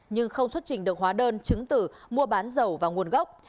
nhưng không xuất trình được hóa đơn chứng tử mua bán dầu và nguồn gốc